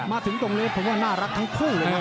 มาถึงตรงนี้ผมว่าน่ารักทั้งคู่เลยนะ